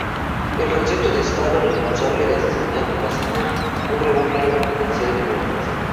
El concepto de Estado responsable de asesinato masivo cubre un rango potencial de muertes.